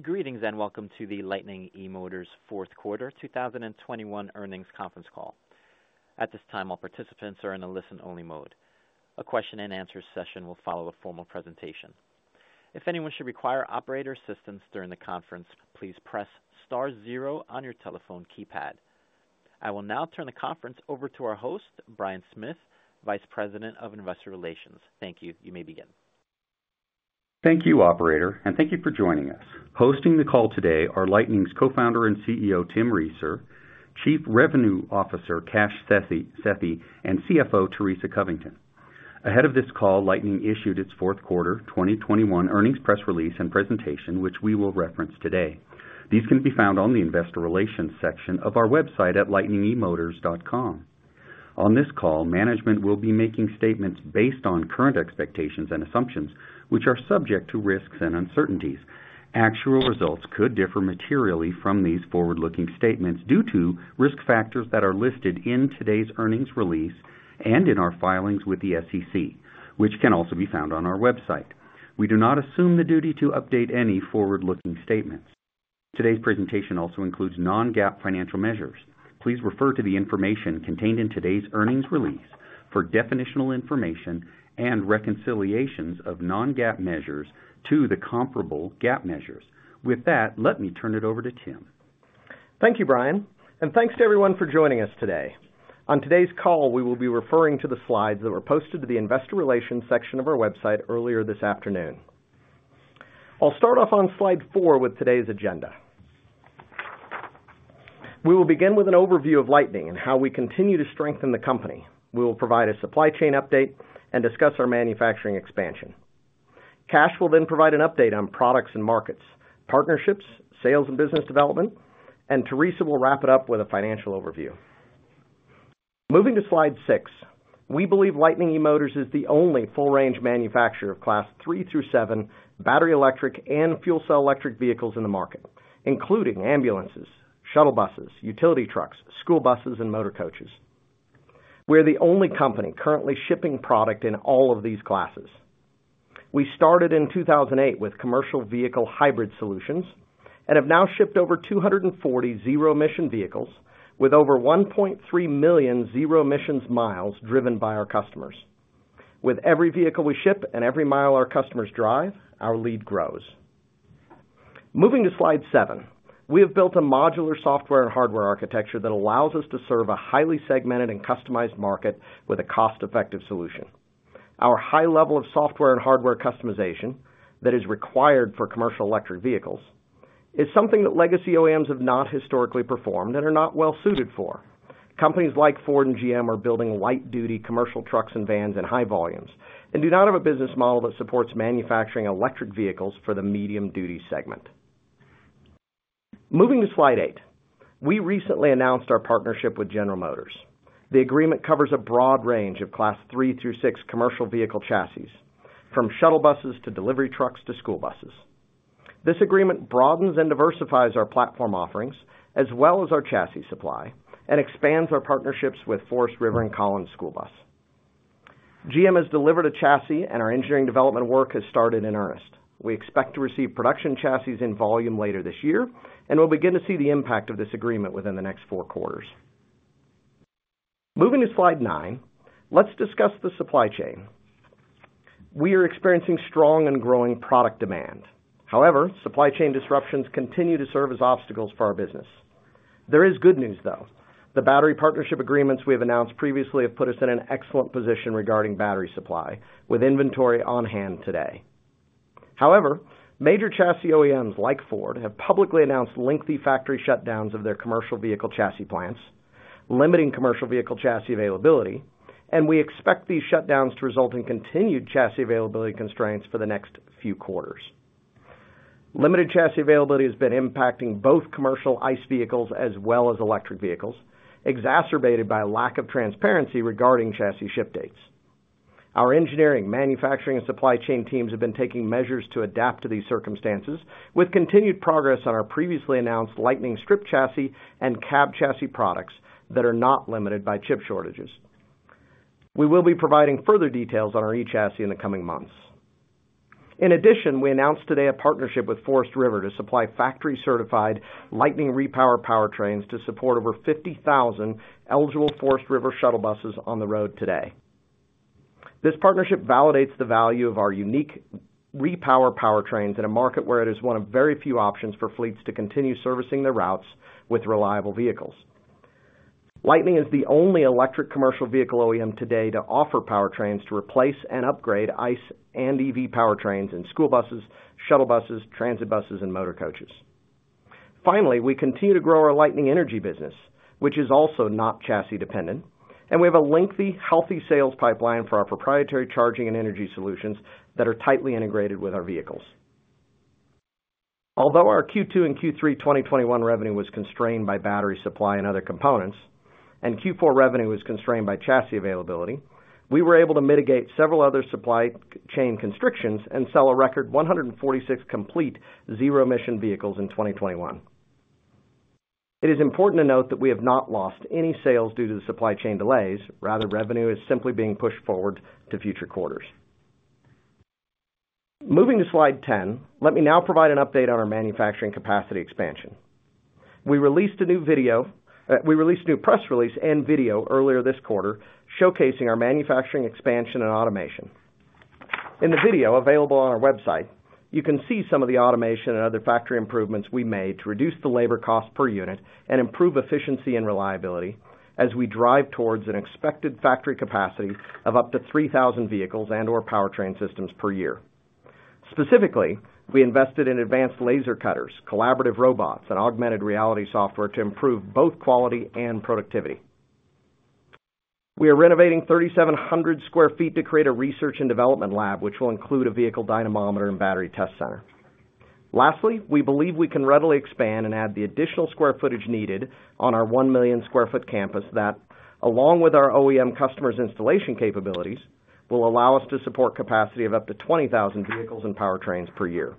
Greetings, and welcome to the Lightning eMotors fourth quarter 2021 earnings conference call. At this time, all participants are in a listen-only mode. A question-and-answer session will follow the formal presentation. If anyone should require operator assistance during the conference, please press star zero on your telephone keypad. I will now turn the conference over to our host, Brian Smith, Vice President of Investor Relations. Thank you. You may begin. Thank you, operator, and thank you for joining us. Hosting the call today are Lightning's co-founder and CEO, Tim Reeser, Chief Revenue Officer, Kash Sethi, and CFO, Teresa Covington. Ahead of this call, Lightning issued its fourth quarter 2021 earnings press release and presentation, which we will reference today. These can be found on the investor relations section of our website at lightningemotors.com. On this call, management will be making statements based on current expectations and assumptions, which are subject to risks and uncertainties. Actual results could differ materially from these forward-looking statements due to risk factors that are listed in today's earnings release and in our filings with the SEC, which can also be found on our website. We do not assume the duty to update any forward-looking statements. Today's presentation also includes non-GAAP financial measures. Please refer to the information contained in today's earnings release for definitional information and reconciliations of non-GAAP measures to the comparable GAAP measures. With that, let me turn it over to Tim. Thank you, Brian, and thanks to everyone for joining us today. On today's call, we will be referring to the slides that were posted to the investor relations section of our website earlier this afternoon. I'll start off on slide four with today's agenda. We will begin with an overview of Lightning and how we continue to strengthen the company. We will provide a supply chain update and discuss our manufacturing expansion. Cash will then provide an update on products and markets, partnerships, sales, and business development, and Teresa will wrap it up with a financial overview. Moving to slide six. We believe Lightning eMotors is the only full-range manufacturer of Class three to seven battery-electric and fuel cell electric vehicles in the market, including ambulances, shuttle buses, utility trucks, school buses, and motor coaches. We're the only company currently shipping product in all of these classes. We started in 2008 with commercial vehicle hybrid solutions and have now shipped over 240 zero emission vehicles with over 1.3 million zero emissions miles driven by our customers. With every vehicle we ship and every mile our customers drive, our lead grows. Moving to slide seven. We have built a modular software and hardware architecture that allows us to serve a highly segmented and customized market with a cost-effective solution. Our high level of software and hardware customization that is required for commercial electric vehicles is something that legacy OEMs have not historically performed and are not well suited for. Companies like Ford and GM are building light-duty commercial trucks and vans in high volumes and do not have a business model that supports manufacturing electric vehicles for the medium-duty segment. Moving to slide eight. We recently announced our partnership with General Motors. The agreement covers a broad range of Class three through six commercial vehicle chassis, from shuttle buses to delivery trucks to school buses. This agreement broadens and diversifies our platform offerings as well as our chassis supply and expands our partnerships with Forest River and Collins Bus. GM has delivered a chassis, and our engineering development work has started in earnest. We expect to receive production chassis in volume later this year, and we'll begin to see the impact of this agreement within the next four quarters. Moving to slide nine, let's discuss the supply chain. We are experiencing strong and growing product demand. However, supply chain disruptions continue to serve as obstacles for our business. There is good news, though. The battery partnership agreements we have announced previously have put us in an excellent position regarding battery supply with inventory on hand today. However, major chassis OEMs like Ford have publicly announced lengthy factory shutdowns of their commercial vehicle chassis plants, limiting commercial vehicle chassis availability, and we expect these shutdowns to result in continued chassis availability constraints for the next few quarters. Limited chassis availability has been impacting both commercial ICE vehicles as well as electric vehicles, exacerbated by a lack of transparency regarding chassis ship dates. Our engineering, manufacturing, and supply chain teams have been taking measures to adapt to these circumstances with continued progress on our previously announced Lightning stripped chassis and cab chassis products that are not limited by chip shortages. We will be providing further details on our eChassis in the coming months. In addition, we announced today a partnership with Forest River to supply factory-certified Lightning repower powertrains to support over 50,000 eligible Forest River shuttle buses on the road today. This partnership validates the value of our unique repower powertrains in a market where it is one of very few options for fleets to continue servicing their routes with reliable vehicles. Lightning is the only electric commercial vehicle OEM today to offer powertrains to replace and upgrade ICE and EV powertrains in school buses, shuttle buses, transit buses, and motor coaches. Finally, we continue to grow our Lightning Energy business, which is also not chassis dependent, and we have a lengthy, healthy sales pipeline for our proprietary charging and energy solutions that are tightly integrated with our vehicles. Although our Q2 and Q3 2021 revenue was constrained by battery supply and other components, and Q4 revenue was constrained by chassis availability, we were able to mitigate several other supply chain constrictions and sell a record 146 complete zero-emission vehicles in 2021. It is important to note that we have not lost any sales due to the supply chain delays, rather revenue is simply being pushed forward to future quarters. Moving to slide 10, let me now provide an update on our manufacturing capacity expansion. We released a new press release and video earlier this quarter showcasing our manufacturing expansion and automation. In the video available on our website, you can see some of the automation and other factory improvements we made to reduce the labor cost per unit and improve efficiency and reliability as we drive towards an expected factory capacity of up to 3,000 vehicles and/or powertrain systems per year. Specifically, we invested in advanced laser cutters, collaborative robots, and augmented reality software to improve both quality and productivity. We are renovating 3,700 sq ft to create a research and development lab, which will include a vehicle dynamometer and battery test center. Lastly, we believe we can readily expand and add the additional square footage needed on our 1 million sq ft campus that, along with our OEM customers' installation capabilities, will allow us to support capacity of up to 20,000 vehicles and powertrains per year.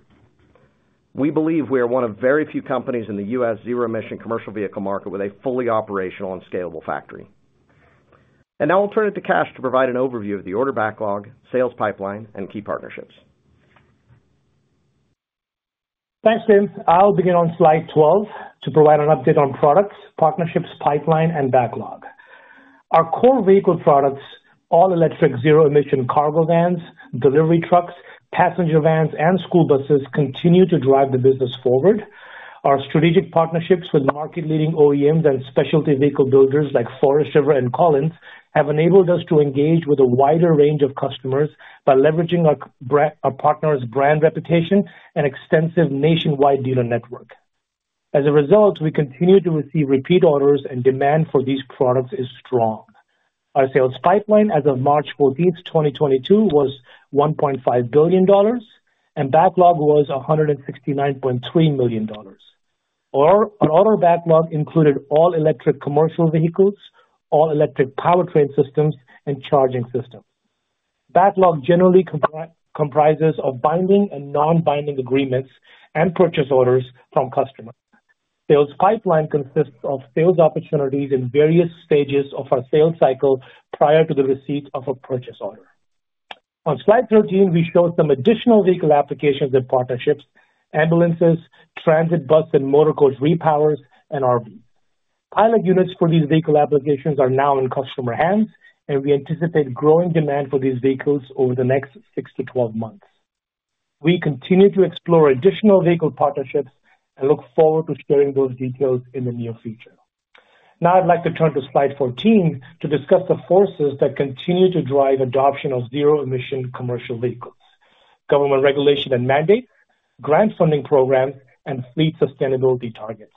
We believe we are one of very few companies in the U.S. zero-emission commercial vehicle market with a fully operational and scalable factory. Now I'll turn it to Kash to provide an overview of the order backlog, sales pipeline, and key partnerships. Thanks, Tim. I'll begin on slide 12 to provide an update on products, partnerships, pipeline, and backlog. Our core vehicle products, all electric zero-emission cargo vans, delivery trucks, passenger vans, and school buses, continue to drive the business forward. Our strategic partnerships with market-leading OEMs and specialty vehicle builders like Forest River and Collins have enabled us to engage with a wider range of customers by leveraging our partners' brand reputation and extensive nationwide dealer network. As a result, we continue to receive repeat orders and demand for these products is strong. Our sales pipeline as of March 14, 2022 was $1.5 billion, and backlog was $169.3 million. Our order backlog included all-electric commercial vehicles, all-electric powertrain systems, and charging systems. Backlog generally comprises of binding and non-binding agreements and purchase orders from customers. Sales pipeline consists of sales opportunities in various stages of our sales cycle prior to the receipt of a purchase order. On slide 13, we show some additional vehicle applications and partnerships, ambulances, transit bus and motor coach repowers, and RVs. Pilot units for these vehicle applications are now in customer hands, and we anticipate growing demand for these vehicles over the next six to 12 months. We continue to explore additional vehicle partnerships and look forward to sharing those details in the near future. Now I'd like to turn to slide 14 to discuss the forces that continue to drive adoption of zero-emission commercial vehicles, government regulation and mandate, grant funding programs, and fleet sustainability targets.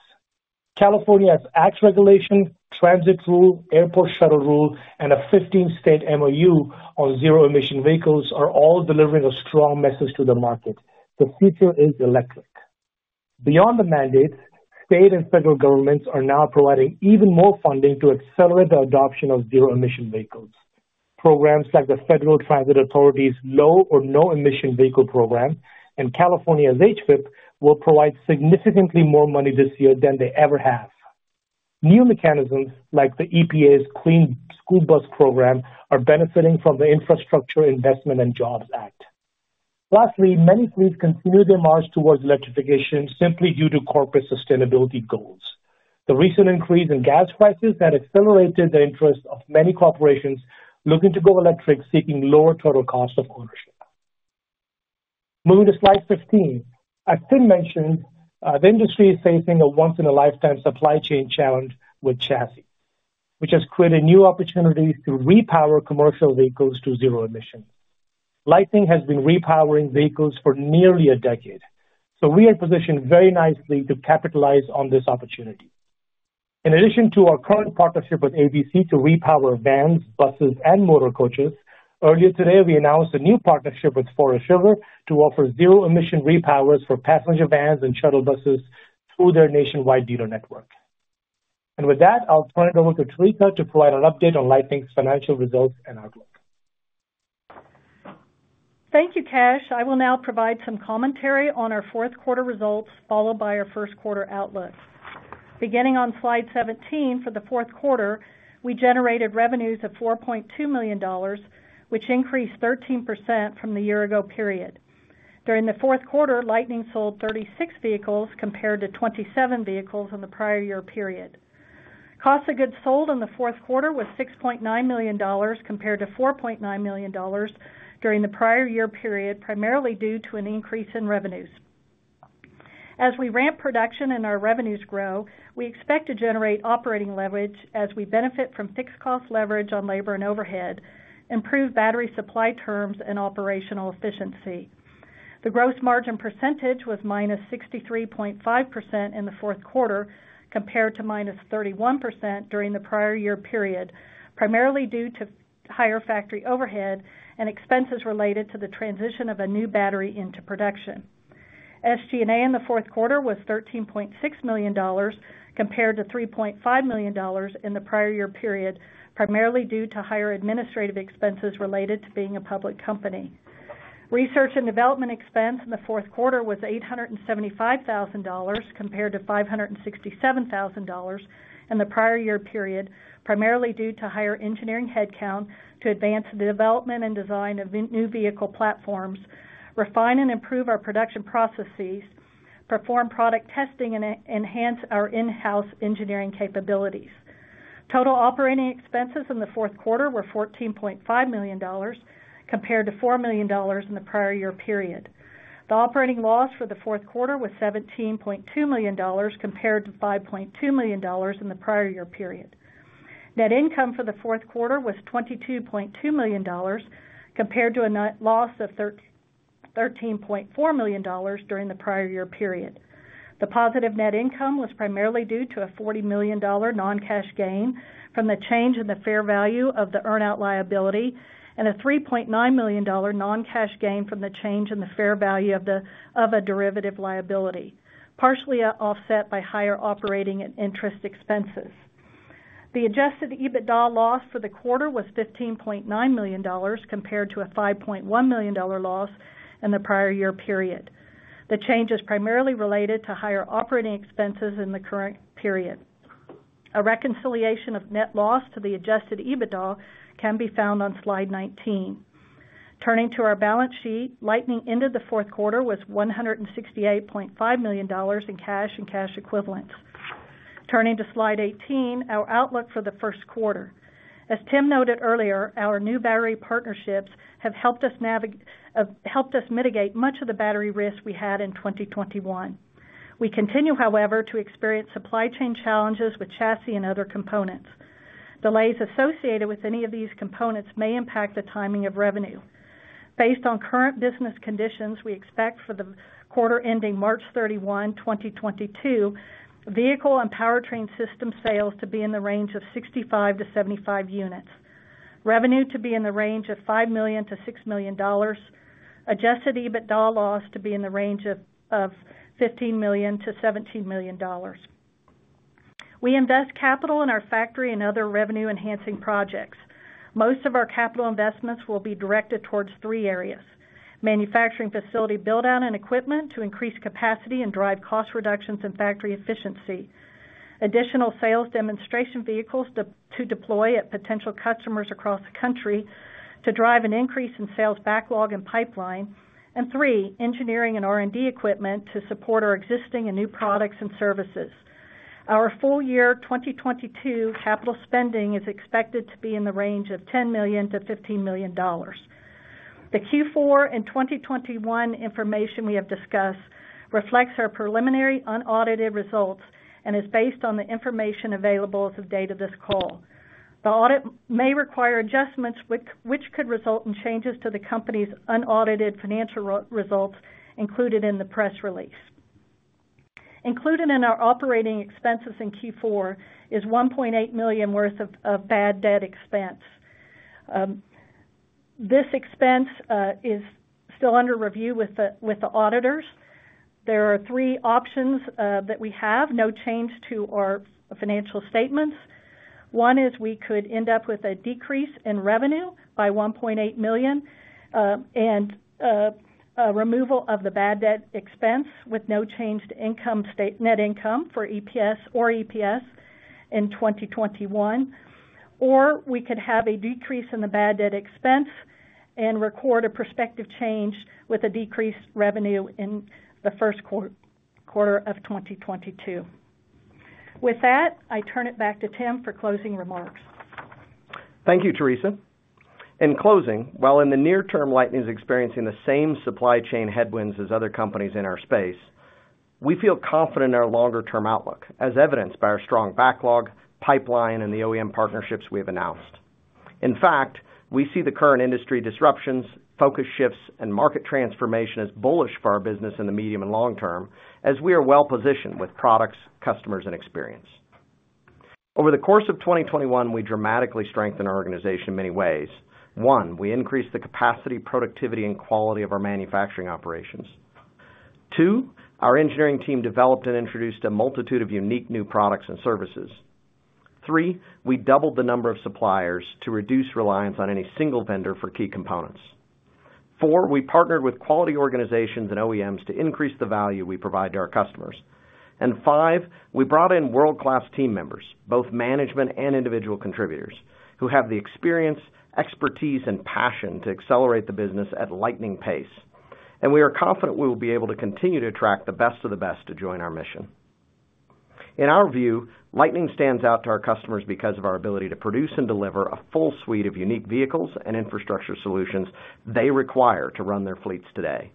California's ACT regulation, transit rule, airport shuttle rule, and a 15-state MOU on zero-emission vehicles are all delivering a strong message to the market. The future is electric. Beyond the mandates, state and federal governments are now providing even more funding to accelerate the adoption of zero-emission vehicles. Programs like the Federal Transit Administration's Low or No Emission Grant Program and California's HVIP will provide significantly more money this year than they ever have. New mechanisms like the EPA's Clean School Bus Program are benefiting from the Infrastructure Investment and Jobs Act. Lastly, many fleets continue their march towards electrification simply due to corporate sustainability goals. The recent increase in gas prices has accelerated the interest of many corporations looking to go electric, seeking lower total cost of ownership. Moving to slide 15. As Tim mentioned, the industry is facing a once-in-a-lifetime supply chain challenge with chassis, which has created new opportunities to repower commercial vehicles to zero emission. Lightning has been repowering vehicles for nearly a decade, so we are positioned very nicely to capitalize on this opportunity. In addition to our current partnership with ABC to repower vans, buses and motor coaches, earlier today we announced a new partnership with Forest River to offer zero-emission repowers for passenger vans and shuttle buses through their nationwide dealer network. With that, I'll turn it over to Teresa to provide an update on Lightning's financial results and outlook. Thank you, Kash. I will now provide some commentary on our fourth quarter results, followed by our first quarter outlook. Beginning on slide 17, for the fourth quarter, we generated revenues of $4.2 million, which increased 13% from the year ago period. During the fourth quarter, Lightning sold 36 vehicles compared to 27 vehicles in the prior year period. Cost of goods sold in the fourth quarter was $6.9 million, compared to $4.9 million during the prior year period, primarily due to an increase in revenues. As we ramp production and our revenues grow, we expect to generate operating leverage as we benefit from fixed cost leverage on labor and overhead, improved battery supply terms and operational efficiency. The gross margin percentage was -63.5% in the fourth quarter, compared to -31% during the prior year period, primarily due to higher factory overhead and expenses related to the transition of a new battery into production. SG&A in the fourth quarter was $13.6 million, compared to $3.5 million in the prior year period, primarily due to higher administrative expenses related to being a public company. Research and development expense in the fourth quarter was $875,000 compared to $567,000 in the prior year period, primarily due to higher engineering headcount to advance the development and design of new vehicle platforms, refine and improve our production processes, perform product testing, and enhance our in-house engineering capabilities. Total operating expenses in the fourth quarter were $14.5 million compared to $4 million in the prior year period. The operating loss for the fourth quarter was $17.2 million compared to $5.2 million in the prior year period. Net income for the fourth quarter was $22.2 million compared to a net loss of $13.4 million during the prior year period. The positive net income was primarily due to a $40 million non-cash gain from the change in the fair value of the earn out liability and a $3.9 million non-cash gain from the change in the fair value of a derivative liability, partially offset by higher operating and interest expenses. The adjusted EBITDA loss for the quarter was $15.9 million compared to a $5.1 million loss in the prior year period. The change is primarily related to higher operating expenses in the current period. A reconciliation of net loss to the adjusted EBITDA can be found on slide 19. Turning to our balance sheet, Lightning ended the fourth quarter with $168.5 million in cash and cash equivalents. Turning to slide 18, our outlook for the first quarter. As Tim noted earlier, our new battery partnerships have helped us mitigate much of the battery risk we had in 2021. We continue, however, to experience supply chain challenges with chassis and other components. Delays associated with any of these components may impact the timing of revenue. Based on current business conditions, we expect for the quarter ending March 31, 2022, vehicle and powertrain system sales to be in the range of 65-75 units. Revenue to be in the range of $5 million-$6 million. Adjusted EBITDA loss to be in the range of $15 million-$17 million. We invest capital in our factory and other revenue-enhancing projects. Most of our capital investments will be directed towards three areas. Manufacturing facility build out and equipment to increase capacity and drive cost reductions in factory efficiency. Additional sales demonstration vehicles to deploy at potential customers across the country to drive an increase in sales backlog and pipeline. Three, engineering and R&D equipment to support our existing and new products and services. Our full-year 2022 capital spending is expected to be in the range of $10 million-$15 million. The Q4 and 2021 information we have discussed reflects our preliminary, unaudited results and is based on the information available as of date of this call. The audit may require adjustments which could result in changes to the company's unaudited financial results included in the press release. Included in our operating expenses in Q4 is $1.8 million worth of bad debt expense. This expense is still under review with the auditors. There are three options that we have, no change to our financial statements. One is we could end up with a decrease in revenue by $1.8 million, and a removal of the bad debt expense with no change to net income for EPS or EPS in 2021. Or we could have a decrease in the bad debt expense and record a prospective change with a decreased revenue in the first quarter of 2022. With that, I turn it back to Tim for closing remarks. Thank you, Teresa. In closing, while in the near term, Lightning is experiencing the same supply chain headwinds as other companies in our space, we feel confident in our longer-term outlook, as evidenced by our strong backlog, pipeline, and the OEM partnerships we have announced. In fact, we see the current industry disruptions, focus shifts, and market transformation as bullish for our business in the medium and long term as we are well positioned with products, customers, and experience. Over the course of 2021, we dramatically strengthened our organization in many ways. One, we increased the capacity, productivity, and quality of our manufacturing operations. Two, our engineering team developed and introduced a multitude of unique new products and services. Three, we doubled the number of suppliers to reduce reliance on any single vendor for key components. Four, we partnered with quality organizations and OEMs to increase the value we provide to our customers. Five, we brought in world-class team members, both management and individual contributors, who have the experience, expertise, and passion to accelerate the business at lightning pace. We are confident we will be able to continue to attract the best of the best to join our mission. In our view, Lightning stands out to our customers because of our ability to produce and deliver a full suite of unique vehicles and infrastructure solutions they require to run their fleets today.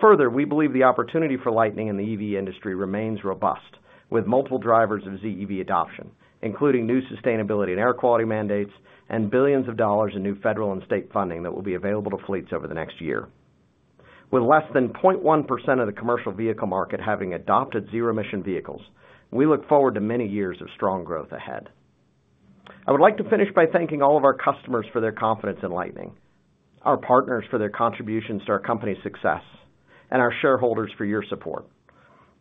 Further, we believe the opportunity for Lightning in the EV industry remains robust with multiple drivers of ZEV adoption, including new sustainability and air quality mandates and billions of dollars in new federal and state funding that will be available to fleets over the next year. With less than 0.1% of the commercial vehicle market having adopted zero emission vehicles, we look forward to many years of strong growth ahead. I would like to finish by thanking all of our customers for their confidence in Lightning, our partners for their contributions to our company's success, and our shareholders for your support.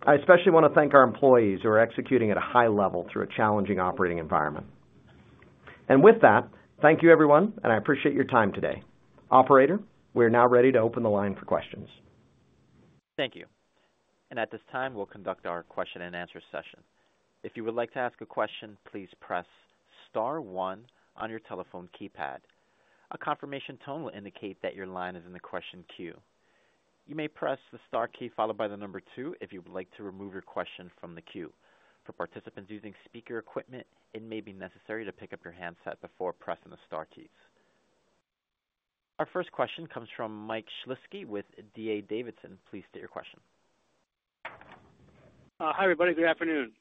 I especially want to thank our employees who are executing at a high level through a challenging operating environment. With that, thank you everyone, and I appreciate your time today. Operator, we are now ready to open the line for questions. Thank you. At this time, we'll conduct our question and answer session. If you would like to ask a question, please press star one on your telephone keypad. A confirmation tone will indicate that your line is in the question queue. You may press the star key followed by the number two if you would like to remove your question from the queue. For participants using speaker equipment, it may be necessary to pick up your handset before pressing the star keys. Our first question comes from Mike Schlisky with D.A. Davidson. Please state your question. Hi, everybody. Good afternoon.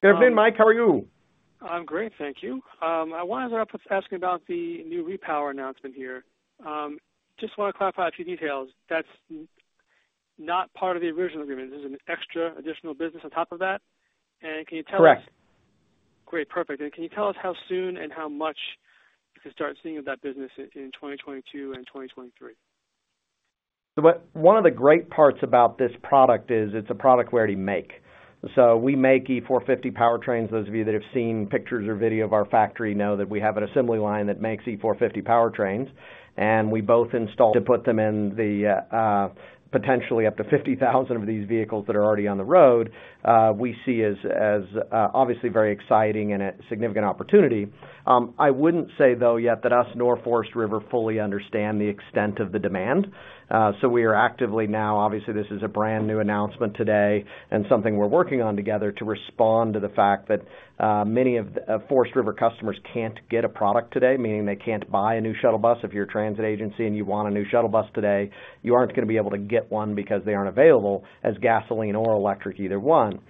Good afternoon, Mike. How are you? I'm great, thank you. I wanted to ask about the new repower announcement here. Just want to clarify a few details. That's not part of the original agreement. This is an extra additional business on top of that? And can you tell us- Correct. Great, perfect. Can you tell us how soon and how much we can start seeing of that business in 2022 and 2023? One of the great parts about this product is it's a product we already make. We make E-450 powertrains. Those of you that have seen pictures or video of our factory know that we have an assembly line that makes E-450 powertrains, and we both install to put them in the potentially up to 50,000 of these vehicles that are already on the road, we see as obviously very exciting and a significant opportunity. I wouldn't say though yet that us nor Forest River fully understand the extent of the demand. We are actively now obviously this is a brand-new announcement today and something we're working on together to respond to the fact that many of the Forest River customers can't get a product today, meaning they can't buy a new shuttle bus. If you're a transit agency and you want a new shuttle bus today, you aren't going to be able to get one because they aren't available as gasoline or electric, either one.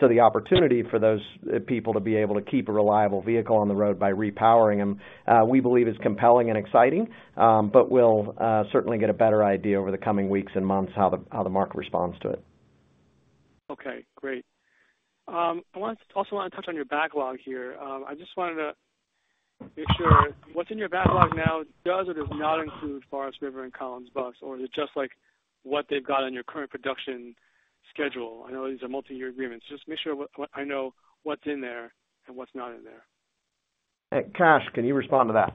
The opportunity for those people to be able to keep a reliable vehicle on the road by repowering them, we believe is compelling and exciting. We'll certainly get a better idea over the coming weeks and months how the market responds to it. Okay, great. I also want to touch on your backlog here. I just wanted to make sure what's in your backlog now does or does not include Forest River and Collins Bus, or is it just like what they've got on your current production schedule? I know these are multi-year agreements. Just make sure what I know what's in there and what's not in there. Hey, Kash, can you respond to that?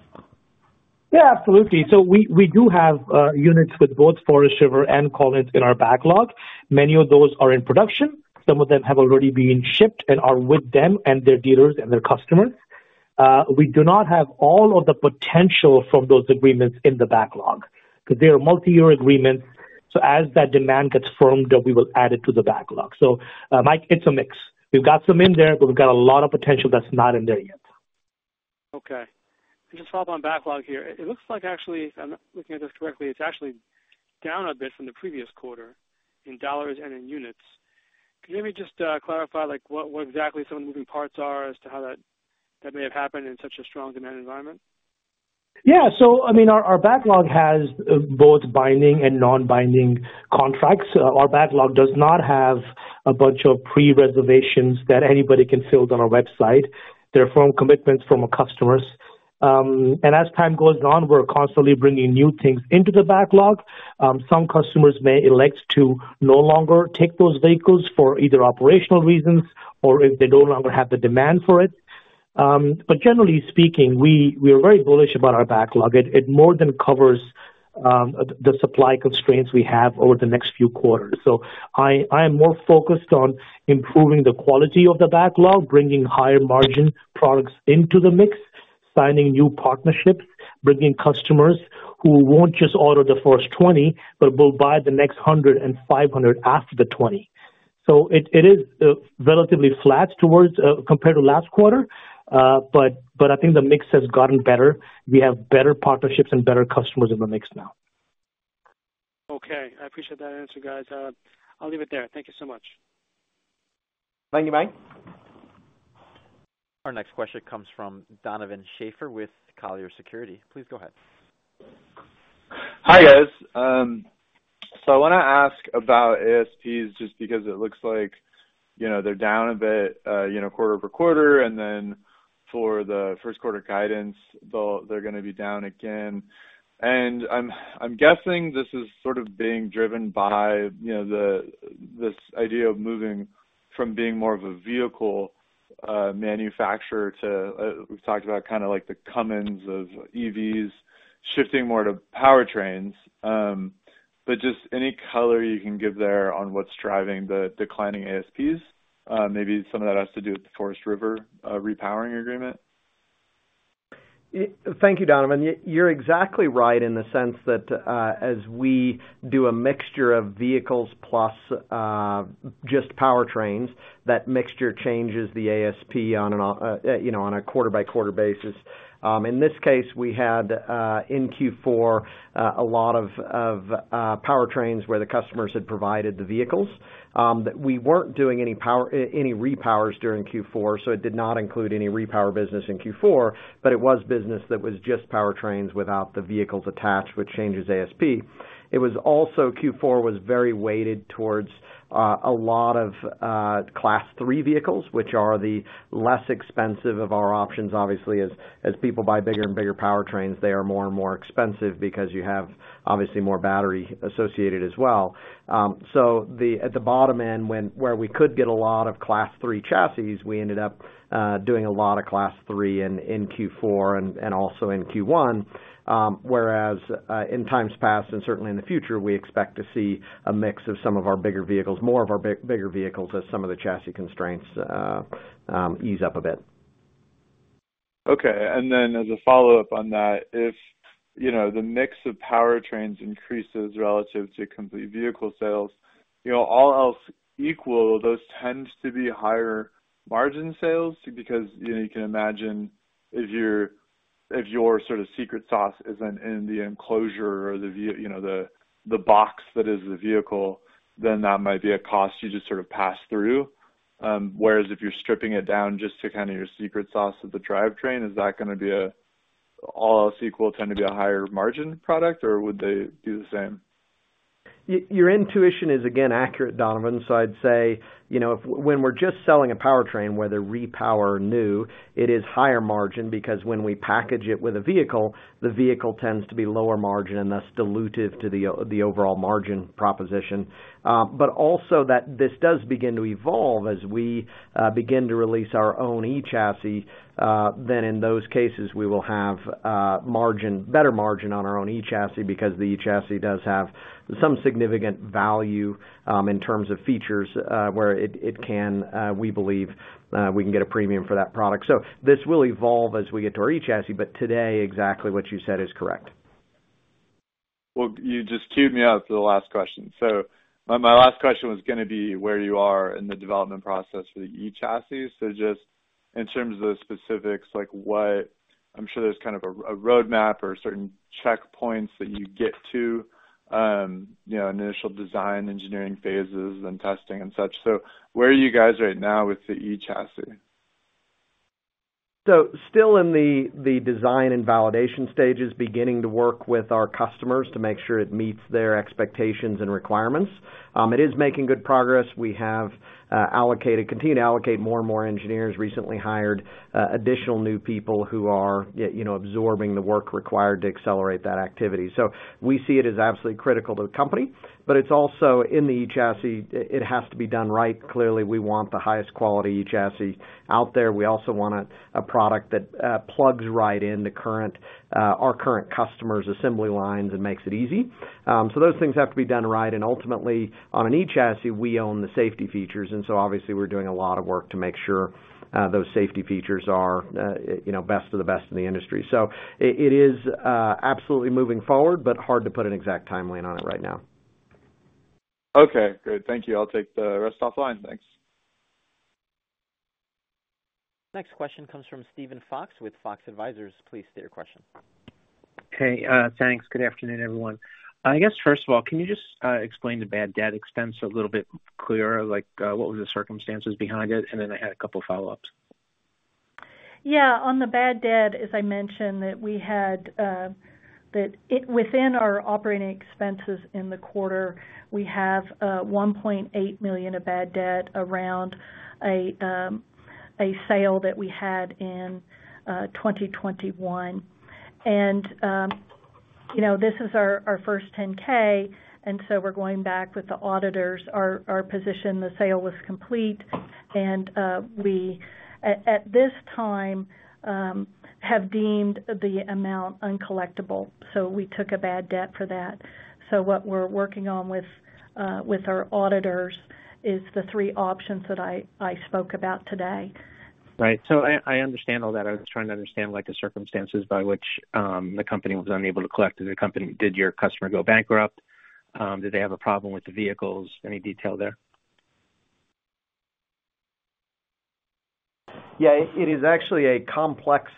Yeah, absolutely. We do have units with both Forest River and Collins in our backlog. Many of those are in production. Some of them have already been shipped and are with them and their dealers and their customers. We do not have all of the potential from those agreements in the backlog because they are multi-year agreements. Mike, it's a mix. We've got some in there, but we've got a lot of potential that's not in there yet. Okay. Just follow up on backlog here. It looks like actually, if I'm looking at this correctly, it's actually down a bit from the previous quarter in dollars and in units. Can you maybe just clarify, like, what exactly some of the moving parts are as to how that may have happened in such a strong demand environment? I mean, our backlog has both binding and non-binding contracts. Our backlog does not have a bunch of pre-reservations that anybody can fill on our website. They're firm commitments from our customers. As time goes on, we're constantly bringing new things into the backlog. Some customers may elect to no longer take those vehicles for either operational reasons or if they no longer have the demand for it. Generally speaking, we are very bullish about our backlog. It more than covers the supply constraints we have over the next few quarters. I am more focused on improving the quality of the backlog, bringing higher margin products into the mix, signing new partnerships, bringing customers who won't just order the first 20, but will buy the next 100 and 500 after the 20. It is relatively flat as compared to last quarter. I think the mix has gotten better. We have better partnerships and better customers in the mix now. Okay. I appreciate that answer, guys. I'll leave it there. Thank you so much. Thank you, Mike. Our next question comes from Donovan Schafer with Colliers Securities. Please go ahead. Hi, guys. I want to ask about ASPs just because it looks like, you know, they're down a bit, you know, quarter-over-quarter, and then for the first quarter guidance, they're going to be down again. I'm guessing this is sort of being driven by, you know, this idea of moving from being more of a vehicle manufacturer to, we've talked about kind of like the Cummins of EVs shifting more to powertrains. Just any color you can give there on what's driving the declining ASPs, maybe some of that has to do with the Forest River repowering agreement. Thank you, Donovan. You're exactly right in the sense that, as we do a mixture of vehicles plus, just powertrains, that mixture changes the ASP on a, you know, on a quarter-by-quarter basis. In this case, we had in Q4 a lot of powertrains where the customers had provided the vehicles, that we weren't doing any repowers during Q4, so it did not include any repower business in Q4, but it was business that was just powertrains without the vehicles attached, which changes ASP. It was also Q4 was very weighted towards a lot of Class three vehicles, which are the less expensive of our options. Obviously, as people buy bigger and bigger powertrains, they are more and more expensive because you have obviously more battery associated as well. At the bottom end, where we could get a lot of Class 3 chassis, we ended up doing a lot of Class three in Q4 and also in Q1. In times past and certainly in the future, we expect to see a mix of some of our bigger vehicles, more of our bigger vehicles as some of the chassis constraints ease up a bit. Okay. As a follow-up on that, if, you know, the mix of powertrains increases relative to complete vehicle sales, you know, all else equal, those tends to be higher margin sales because, you know, you can imagine if your sort of secret sauce isn't in the enclosure or the box that is the vehicle, then that might be a cost you just sort of pass through. Whereas if you're stripping it down just to kinda your secret sauce of the drivetrain, is that gonna be a, all else equal, tend to be a higher margin product, or would they do the same? Your intuition is again accurate, Donovan. I'd say, you know, when we're just selling a powertrain, whether repower or new, it is higher margin because when we package it with a vehicle, the vehicle tends to be lower margin, and that's dilutive to the overall margin proposition. Also that this does begin to evolve as we begin to release our own eChassis, then in those cases, we will have margin, better margin on our own eChassis because the eChassis does have some significant value in terms of features, where it can, we believe, we can get a premium for that product. This will evolve as we get to our eChassis, but today, exactly what you said is correct. Well, you just teed me up for the last question. My last question was gonna be where you are in the development process for the eChassis. Just in terms of the specifics, like what. I'm sure there's kind of a roadmap or certain checkpoints that you get to, you know, initial design, engineering phases and testing and such. Where are you guys right now with the eChassis? Still in the design and validation stages, beginning to work with our customers to make sure it meets their expectations and requirements. It is making good progress. We have allocated, continue to allocate more and more engineers, recently hired additional new people who are you know, absorbing the work required to accelerate that activity. We see it as absolutely critical to the company, but it's also in the eChassis, it has to be done right. Clearly, we want the highest quality eChassis out there. We also want a product that plugs right into our current customers' assembly lines and makes it easy. Those things have to be done right. Ultimately, on an eChassis, we own the safety features, and so obviously we're doing a lot of work to make sure those safety features are, you know, best of the best in the industry. It is absolutely moving forward, but hard to put an exact timeline on it right now. Okay, good. Thank you. I'll take the rest offline. Thanks. Next question comes from Steven Fox with Fox Advisors. Please state your question. Okay, thanks. Good afternoon, everyone. I guess, first of all, can you just explain the bad debt expense a little bit clearer? Like, what were the circumstances behind it? Then I had a couple of follow-ups. Yeah. On the bad debt, as I mentioned, that we had within our operating expenses in the quarter, we have $1.8 million of bad debt around a sale that we had in 2021. You know, this is our first 10-K, so we're going back with the auditors. Our position, the sale was complete, and we at this time have deemed the amount uncollectible, so we took a bad debt for that. What we're working on with our auditors is the three options that I spoke about today. Right. I understand all that. I was trying to understand, like, the circumstances by which the company was unable to collect. Did your customer go bankrupt? Did they have a problem with the vehicles? Any detail there? Yeah. It is actually a complex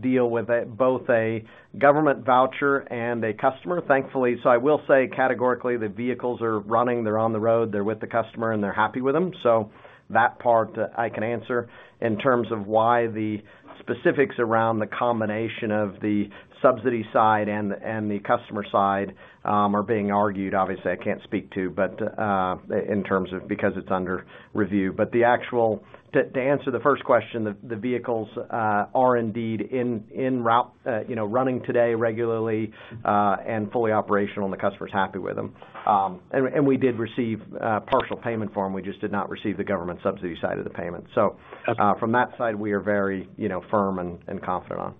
deal with both a government voucher and a customer. Thankfully, I will say categorically, the vehicles are running, they're on the road, they're with the customer, and they're happy with them. That part I can answer. In terms of why the specifics around the combination of the subsidy side and the customer side are being argued, obviously, I can't speak to but in terms of because it's under review. To answer the first question, the vehicles are indeed en route, you know, running today regularly and fully operational, and the customer's happy with them. And we did receive partial payment from them. We just did not receive the government subsidy side of the payment. Okay. From that side, we are very, you know, firm and confident on.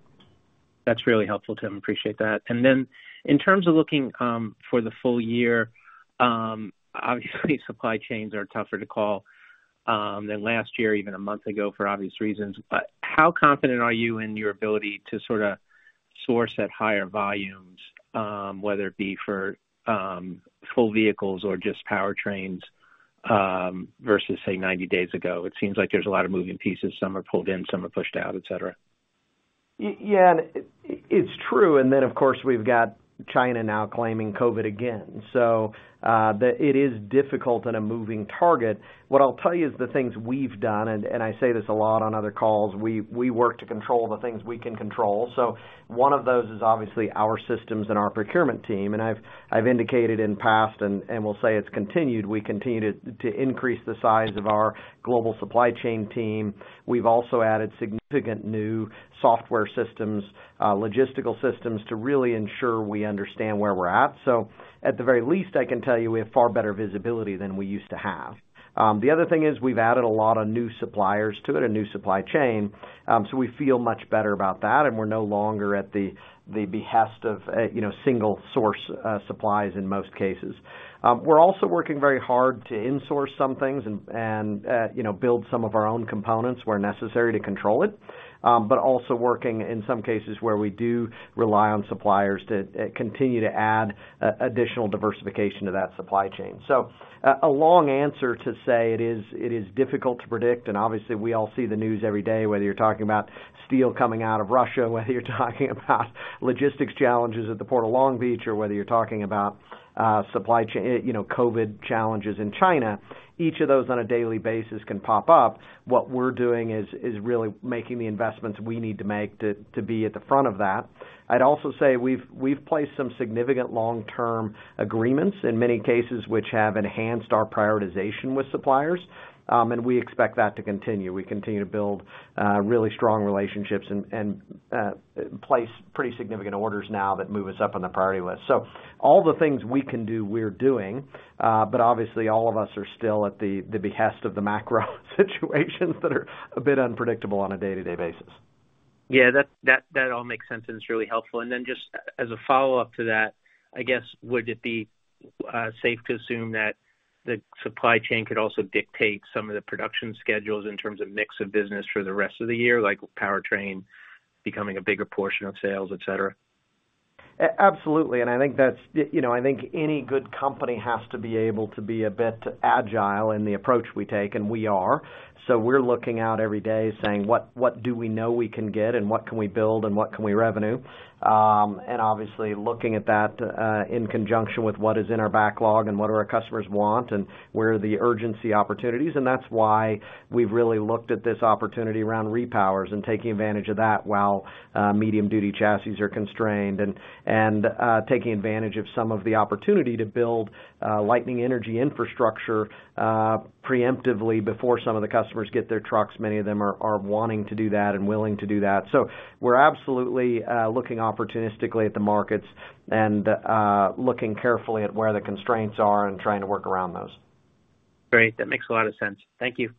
That's really helpful, Tim. Appreciate that. Then in terms of looking for the full year, obviously supply chains are tougher to call than last year, even a month ago for obvious reasons. How confident are you in your ability to sorta source at higher volumes, whether it be for full vehicles or just powertrains, versus say, 90 days ago? It seems like there's a lot of moving parts. Some are pulled in, some are pushed out, et cetera. Yeah, it's true. Of course, we've got China now claiming COVID again. It is difficult and a moving target. What I'll tell you is the things we've done, and I say this a lot on other calls, we work to control the things we can control. One of those is obviously our systems and our procurement team. I've indicated in past and will say it's continued, we continue to increase the size of our global supply chain team. We've also added significant new software systems, logistical systems to really ensure we understand where we're at. At the very least, I can tell you we have far better visibility than we used to have. The other thing is we've added a lot of new suppliers to it, a new supply chain. We feel much better about that, and we're no longer at the behest of you know, single source supplies in most cases. We're also working very hard to insource some things and you know, build some of our own components where necessary to control it. Also working in some cases where we do rely on suppliers to continue to add additional diversification to that supply chain. A long answer to say it is difficult to predict, and obviously we all see the news every day, whether you're talking about steel coming out of Russia, whether you're talking about logistics challenges at the Port of Long Beach, or whether you're talking about supply chain you know, COVID challenges in China. Each of those on a daily basis can pop up. What we're doing is really making the investments we need to make to be at the front of that. I'd also say we've placed some significant long-term agreements in many cases which have enhanced our prioritization with suppliers, and we expect that to continue. We continue to build really strong relationships and place pretty significant orders now that move us up on the priority list. All the things we can do, we're doing, but obviously all of us are still at the behest of the macro situations that are a bit unpredictable on a day-to-day basis. Yeah, that all makes sense and it's really helpful. Then just as a follow-up to that, I guess, would it be safe to assume that the supply chain could also dictate some of the production schedules in terms of mix of business for the rest of the year, like powertrain becoming a bigger portion of sales, et cetera? Absolutely. I think that's, you know, I think any good company has to be able to be a bit agile in the approach we take, and we are. We're looking out every day saying, "What do we know we can get and what can we build and what can we revenue?" Obviously looking at that in conjunction with what is in our backlog and what do our customers want and where are the urgency opportunities. That's why we've really looked at this opportunity around repowers and taking advantage of that while medium-duty chassis are constrained and taking advantage of some of the opportunity to build Lightning Energy infrastructure preemptively before some of the customers get their trucks. Many of them are wanting to do that and willing to do that. We're absolutely looking opportunistically at the markets and looking carefully at where the constraints are and trying to work around those. Great. That makes a lot of sense. Thank you.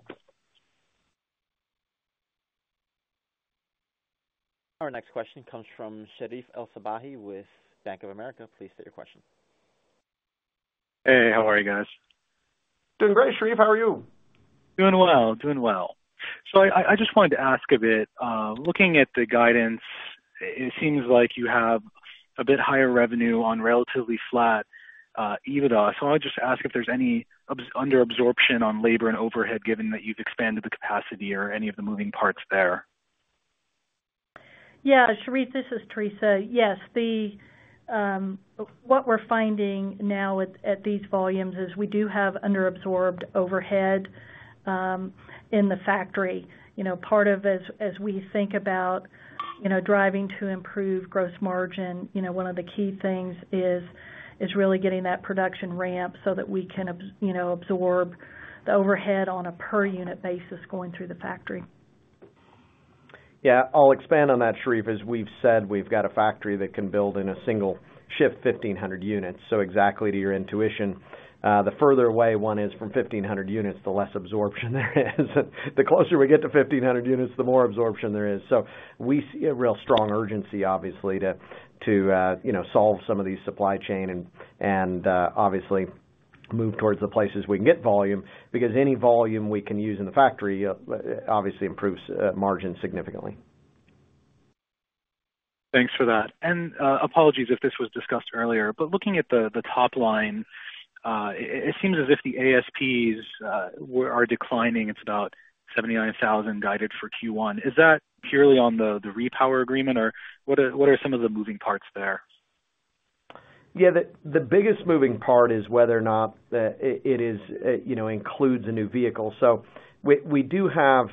Our next question comes from Sherif El-Sabbahy with Bank of America. Please state your question. Hey, how are you guys? Doing great, Sherif. How are you? Doing well. I just wanted to ask a bit, looking at the guidance, it seems like you have a bit higher revenue on relatively flat EBITDA. I wanted just to ask if there's any under absorption on labor and overhead, given that you've expanded the capacity or any of the moving parts there. Yeah. Sherif, this is Teresa. Yes. What we're finding now at these volumes is we do have underabsorbed overhead in the factory. You know, part of as we think about, you know, driving to improve gross margin, you know, one of the key things is really getting that production ramp so that we can absorb the overhead on a per unit basis going through the factory. Yeah. I'll expand on that, Sherif. As we've said, we've got a factory that can build in a single shift 1,500 units. Exactly to your intuition, the further away one is from 1,500 units, the less absorption there is. The closer we get to 1,500 units, the more absorption there is. We see a real strong urgency, obviously, you know, to solve some of these supply chain and obviously move towards the places we can get volume, because any volume we can use in the factory obviously improves margin significantly. Thanks for that. Apologies if this was discussed earlier, but looking at the top line, it seems as if the ASPs are declining. It's about $79,000 guided for Q1. Is that purely on the repower agreement, or what are some of the moving parts there? Yeah. The biggest moving part is whether or not, you know, it includes a new vehicle. So we do have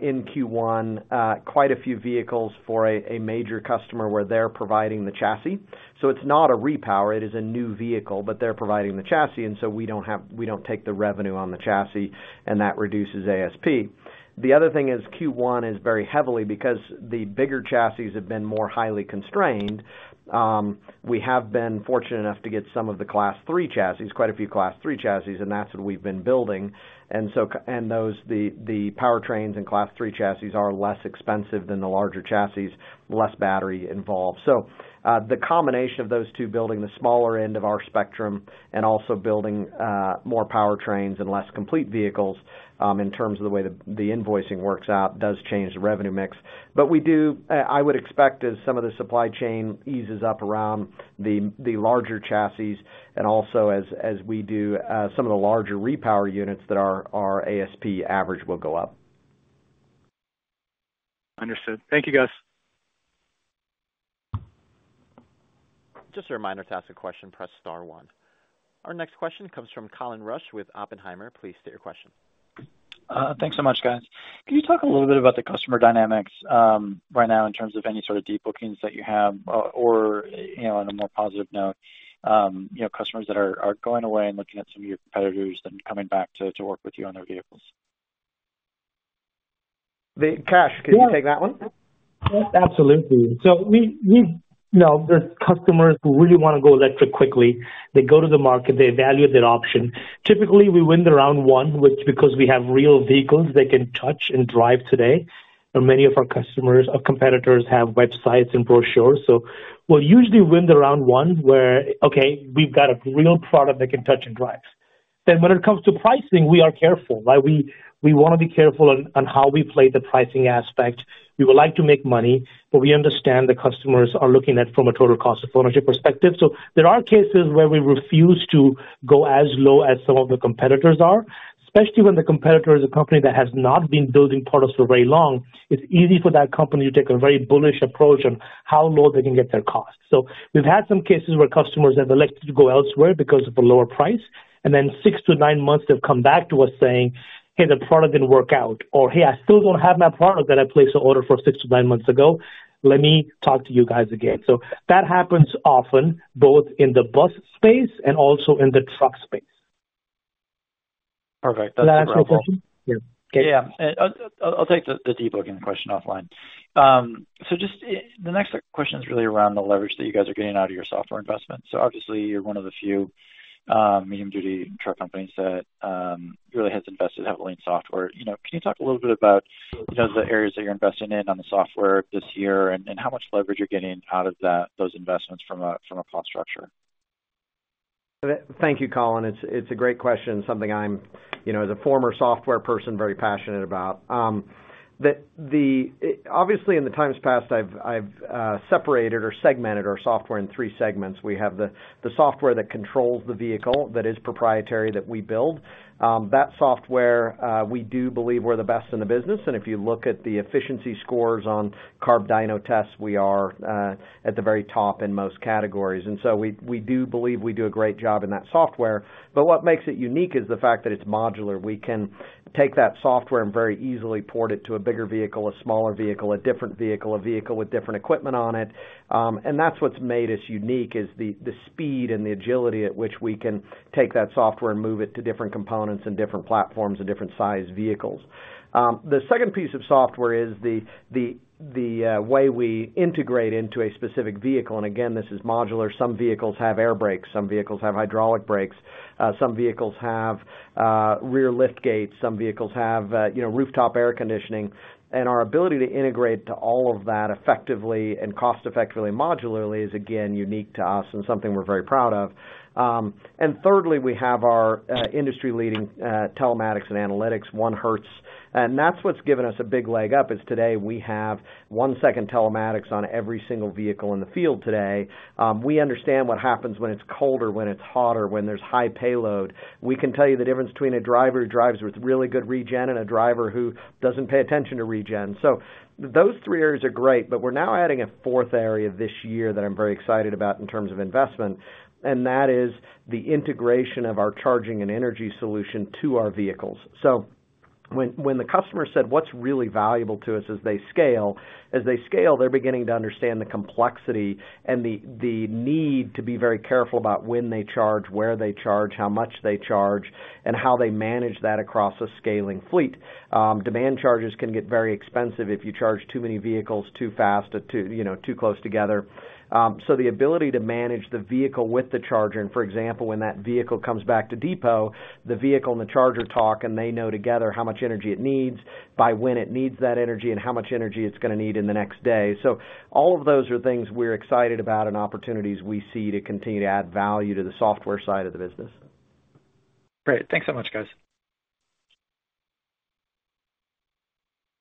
in Q1 quite a few vehicles for a major customer where they're providing the chassis. So it's not a repower, it is a new vehicle, but they're providing the chassis, and so we don't take the revenue on the chassis, and that reduces ASP. The other thing is Q1 is very heavily because the bigger chassis have been more highly constrained. We have been fortunate enough to get some of the Class three chassis, quite a few Class three chassis, and that's what we've been building. Those powertrains and Class three chassis are less expensive than the larger chassis, less battery involved. The combination of those two, building the smaller end of our spectrum and also building more powertrains and less complete vehicles, in terms of the way the invoicing works out, does change the revenue mix. But I would expect as some of the supply chain eases up around the larger chassis and also as we do some of the larger repower units that our ASP average will go up. Understood. Thank you, guys. Just a reminder, to ask a question, press star one. Our next question comes from Colin Rusch with Oppenheimer. Please state your question. Thanks so much, guys. Can you talk a little bit about the customer dynamics, right now in terms of any sort of deep bookings that you have or, you know, on a more positive note, you know, customers that are going away and looking at some of your competitors, then coming back to work with you on their vehicles? Kash, can you take that one? Absolutely. We you know, there's customers who really want to go electric quickly. They go to the market, they evaluate their options. Typically, we win the round one, which because we have real vehicles they can touch and drive today, but many of our competitors have websites and brochures. We'll usually win the round one where, okay, we've got a real product they can touch and drive. Then when it comes to pricing, we are careful, right? We wanna be careful on how we play the pricing aspect. We would like to make money, but we understand the customers are looking at it from a total cost of ownership perspective. There are cases where we refuse to go as low as some of the competitors are, especially when the competitor is a company that has not been building products for very long. It's easy for that company to take a very bullish approach on how low they can get their costs. We've had some cases where customers have elected to go elsewhere because of a lower price, and then six to nine months, they've come back to us saying, "Hey, the product didn't work out," or, "Hey, I still don't have my product that I placed an order for six to nine months ago. Let me talk to you guys again." That happens often, both in the bus space and also in the truck space. Perfect. That's incredible. Did that answer your question? Yeah. I'll take the debugging question offline. Just the next question is really around the leverage that you guys are getting out of your software investments. Obviously you're one of the few medium-duty truck companies that really has invested heavily in software. You know, can you talk a little bit about, you know, the areas that you're investing in on the software this year and how much leverage you're getting out of that those investments from a cost structure? Thank you, Colin. It's a great question, something I'm, you know, as a former software person, very passionate about. Obviously, in times past, I've separated or segmented our software in three segments. We have the software that controls the vehicle that is proprietary that we build. That software, we do believe we're the best in the business. If you look at the efficiency scores on CARB dyno tests, we are at the very top in most categories. We do believe we do a great job in that software. What makes it unique is the fact that it's modular. We can take that software and very easily port it to a bigger vehicle, a smaller vehicle, a different vehicle, a vehicle with different equipment on it. That's what's made us unique, is the speed and the agility at which we can take that software and move it to different components and different platforms and different sized vehicles. The second piece of software is the way we integrate into a specific vehicle. Again, this is modular. Some vehicles have air brakes, some vehicles have hydraulic brakes, some vehicles have rear lift gates, some vehicles have you know, rooftop air conditioning. Our ability to integrate to all of that effectively and cost-effectively, modularly is again unique to us and something we're very proud of. Thirdly, we have our industry-leading telematics and analytics, one hertz. That's what's given us a big leg up, is today we have one-second telematics on every single vehicle in the field today. We understand what happens when it's colder, when it's hotter, when there's high payload. We can tell you the difference between a driver who drives with really good regen and a driver who doesn't pay attention to regen. Those three areas are great, but we're now adding a fourth area this year that I'm very excited about in terms of investment, and that is the integration of our charging and energy solution to our vehicles. When the customer said what's really valuable to us as they scale, they're beginning to understand the complexity and the need to be very careful about when they charge, where they charge, how much they charge, and how they manage that across a scaling fleet. Demand charges can get very expensive if you charge too many vehicles too fast or too, you know, too close together. The ability to manage the vehicle with the charger, and for example, when that vehicle comes back to depot, the vehicle and the charger talk, and they know together how much energy it needs, by when it needs that energy, and how much energy it's gonna need in the next day. All of those are things we're excited about and opportunities we see to continue to add value to the software side of the business. Great. Thanks so much, guys.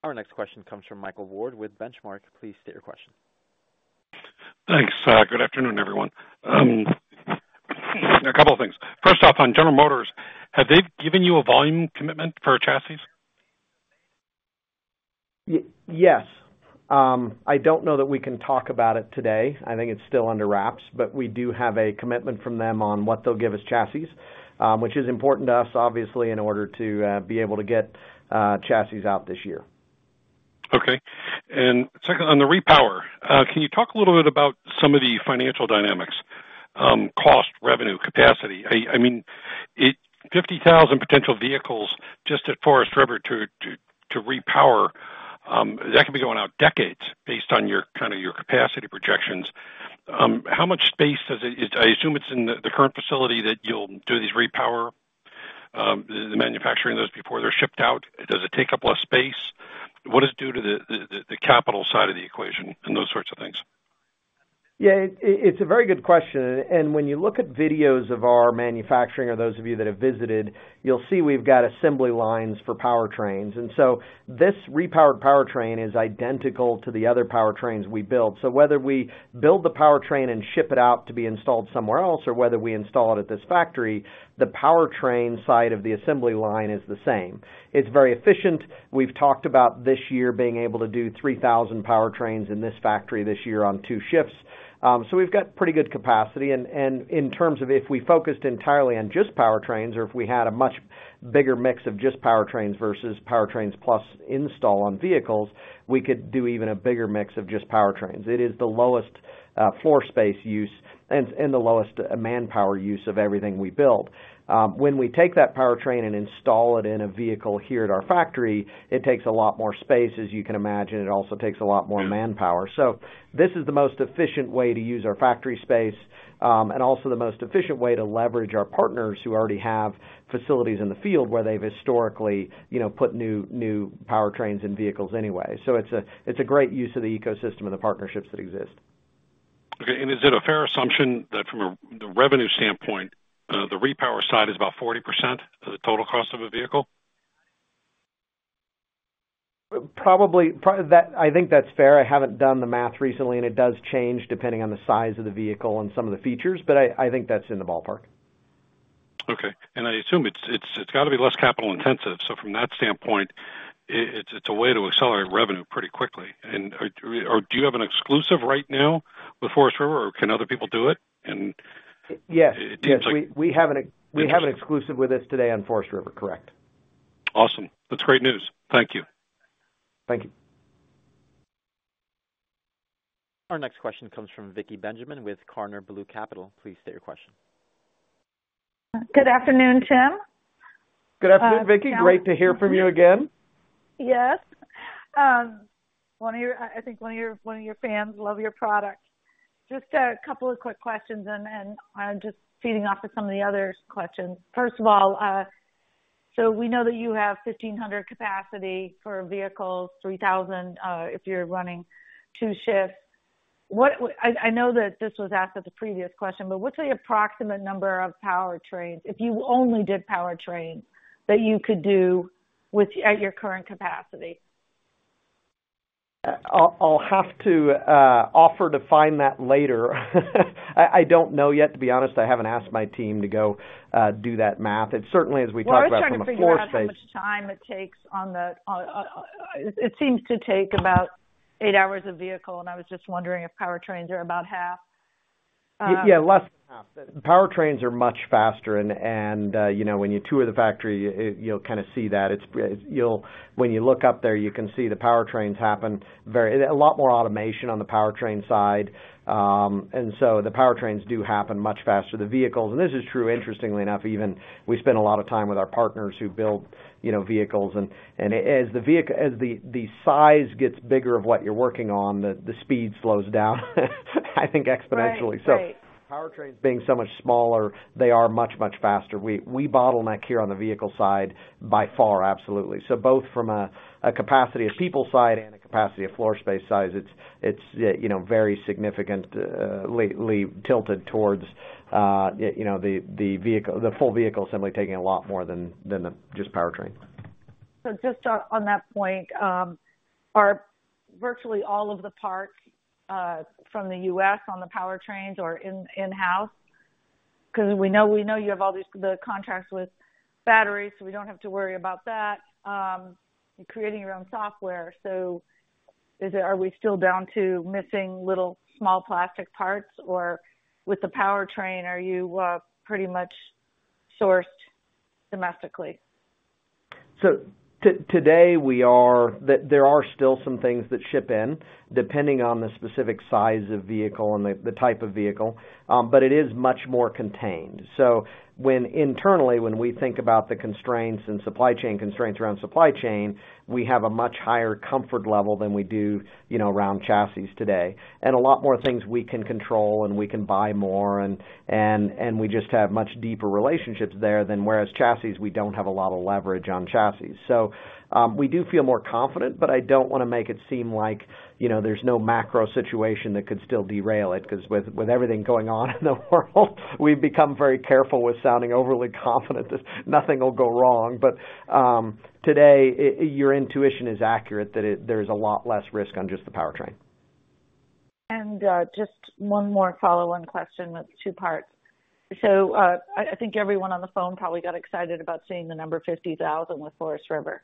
Our next question comes from Michael Ward with Benchmark. Please state your question. Thanks. Good afternoon, everyone. A couple of things. First off, on General Motors, have they given you a volume commitment for chassis? Yes. I don't know that we can talk about it today. I think it's still under wraps. We do have a commitment from them on what they'll give as chassis, which is important to us, obviously, in order to be able to get chassis out this year. Okay. Second, on the repower, can you talk a little bit about some of the financial dynamics, cost, revenue, capacity? I mean, it 50,000 potential vehicles just at Forest River to repower, that could be going out decades based on your kinda capacity projections. How much space does it take? I assume it's in the current facility that you'll do these repower, the manufacturing those before they're shipped out. Does it take up less space? What it's due to the capital side of the equation and those sorts of things? Yeah, it's a very good question. When you look at videos of our manufacturing or those of you that have visited, you'll see we've got assembly lines for powertrains. This repowered powertrain is identical to the other powertrains we build. Whether we build the powertrain and ship it out to be installed somewhere else or whether we install it at this factory, the powertrain side of the assembly line is the same. It's very efficient. We've talked about this year being able to do 3,000 powertrains in this factory this year on two shifts. We've got pretty good capacity. In terms of if we focused entirely on just powertrains or if we had a much bigger mix of just powertrains versus powertrains plus install on vehicles, we could do even a bigger mix of just powertrains. It is the lowest floor space use and the lowest manpower use of everything we build. When we take that powertrain and install it in a vehicle here at our factory, it takes a lot more space, as you can imagine. It also takes a lot more manpower. This is the most efficient way to use our factory space and also the most efficient way to leverage our partners who already have facilities in the field where they've historically you know put new powertrains in vehicles anyway. It's a great use of the ecosystem and the partnerships that exist. Okay. Is it a fair assumption that from a, the revenue standpoint, the repower side is about 40% of the total cost of a vehicle? Probably. I think that's fair. I haven't done the math recently, and it does change depending on the size of the vehicle and some of the features, but I think that's in the ballpark. Okay. I assume it's gotta be less capital-intensive, so from that standpoint, it's a way to accelerate revenue pretty quickly. Or do you have an exclusive right now with Forest River, or can other people do it? Yes. It seems like- Yes. We have an ex- Okay. We have an exclusive with us today on Forest River, correct? Awesome. That's great news. Thank you. Thank you. Our next question comes from Vicki Benjamin with Karner Blue Capital. Please state your question. Good afternoon, Tim. Good afternoon, Vicki. Great to hear from you again. Yes. I think one of your fans. Love your product. Just a couple of quick questions and I'm just feeding off of some of the others' questions. First of all, we know that you have 1,500 capacity for vehicles, 3,000, if you're running two shifts. I know that this was asked at the previous question, but what's the approximate number of powertrains, if you only did powertrains, that you could do with at your current capacity? I'll have to offer to find that later. I don't know yet, to be honest. I haven't asked my team to go do that math. It certainly, as we talked about from a floor space- Well, I was trying to figure out how much time it takes. It seems to take about eight hours a vehicle, and I was just wondering if powertrains are about half. Yeah, less than half. Powertrains are much faster, you know, when you tour the factory, you'll kind of see that. When you look up there, you can see the powertrains happen. A lot more automation on the powertrain side. The powertrains do happen much faster. The vehicles, and this is true, interestingly enough, even we spend a lot of time with our partners who build, you know, vehicles. As the size gets bigger of what you're working on, the speed slows down, I think exponentially. Right. Powertrains being so much smaller, they are much, much faster. We bottleneck here on the vehicle side by far, absolutely. Both from a capacity of people side and a capacity of floor space size, it's yeah, you know, very significant lately tilted towards you know, the vehicle. The full vehicle assembly taking a lot more than just the powertrain. Just on that point, are virtually all of the parts from the U.S. on the powertrains or in-house? 'Cause we know you have all these, the contracts with batteries, so we don't have to worry about that. You're creating your own software. Are we still down to missing little small plastic parts? Or with the powertrain, are you pretty much sourced domestically? Today, we are there. There are still some things that ship in, depending on the specific size of vehicle and the type of vehicle. But it is much more contained. When internally we think about the constraints and supply chain constraints around supply chain, we have a much higher comfort level than we do, you know, around chassis today. A lot more things we can control, and we can buy more, and we just have much deeper relationships there than whereas chassis, we don't have a lot of leverage on chassis. We do feel more confident, but I don't wanna make it seem like, you know, there's no macro situation that could still derail it. 'Cause with everything going on in the world, we've become very careful with sounding overly confident that nothing will go wrong. Your intuition is accurate that it, there's a lot less risk on just the powertrain. Just one more follow-on question with two parts. I think everyone on the phone probably got excited about seeing the number 50,000 with Forest River.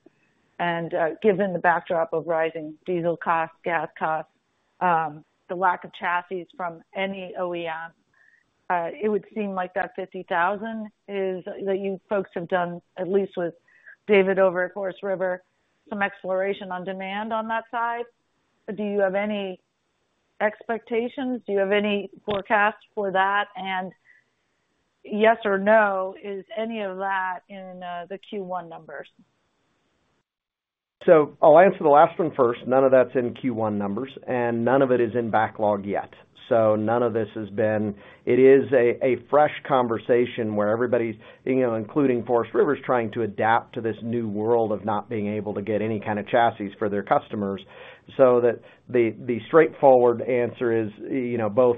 Given the backdrop of rising diesel costs, gas costs, the lack of chassis from any OEM, it would seem like that 50,000 is, that you folks have done, at least with David over at Forest River, some exploration on demand on that side. Do you have any expectations? Do you have any forecasts for that? Yes or no, is any of that in the Q1 numbers? I'll answer the last one first. None of that's in Q1 numbers, and none of it is in backlog yet. It is a fresh conversation where everybody's, you know, including Forest River, is trying to adapt to this new world of not being able to get any kind of chassis for their customers. The straightforward answer is, you know, both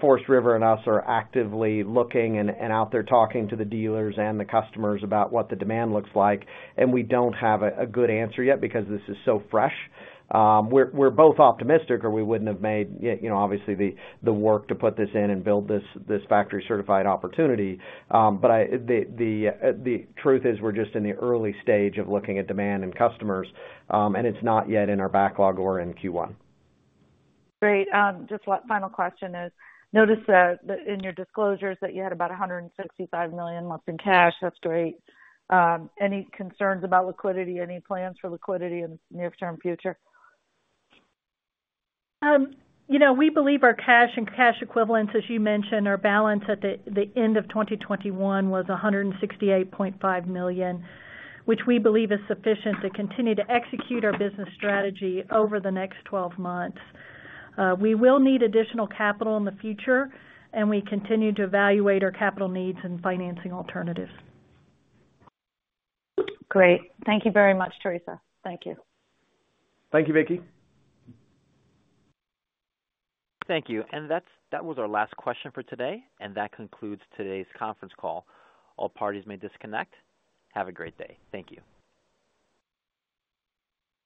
Forest River and us are actively looking and out there talking to the dealers and the customers about what the demand looks like. We don't have a good answer yet because this is so fresh. We're both optimistic or we wouldn't have made, you know, obviously the work to put this in and build this factory-certified opportunity. But I... The truth is we're just in the early stage of looking at demand and customers, and it's not yet in our backlog or in Q1. Great. Just one final question: I noticed that in your disclosures you had about $165 million left in cash. That's great. Any concerns about liquidity? Any plans for liquidity in the near-term future? You know, we believe our cash and cash equivalents balance, as you mentioned, at the end of 2021 was $168.5 million, which we believe is sufficient to continue to execute our business strategy over the next 12 months. We will need additional capital in the future, and we continue to evaluate our capital needs and financing alternatives. Great. Thank you very much, Teresa. Thank you. Thank you, Vicki. Thank you. That's, that was our last question for today, and that concludes today's conference call. All parties may disconnect. Have a great day. Thank you.